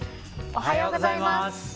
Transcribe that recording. おはようございます。